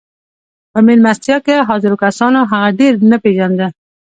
په مېلمستيا کې حاضرو کسانو هغه ډېر نه پېژانده.